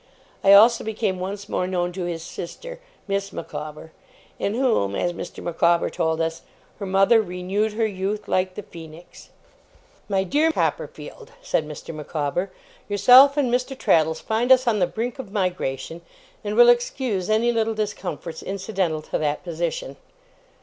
I also became once more known to his sister, Miss Micawber, in whom, as Mr. Micawber told us, 'her mother renewed her youth, like the Phoenix'. 'My dear Copperfield,' said Mr. Micawber, 'yourself and Mr. Traddles find us on the brink of migration, and will excuse any little discomforts incidental to that position.